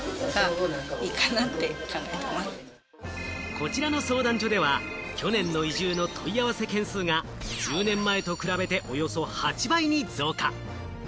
こちらの相談所では、去年の移住の問い合わせ件数が１０年前と比べて、およそ８倍に増加。